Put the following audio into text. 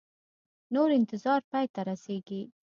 نور انتظار پای ته رسیږي